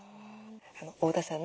太田さんね